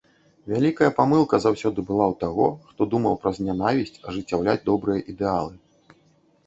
Вялікая памылка заўсёды была ў таго, хто думаў праз нянавісць ажыццяўляць добрыя ідэалы.